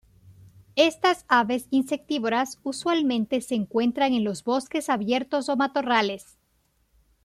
Estas aves insectívoras usualmente se encuentran en los bosques abiertos o matorrales.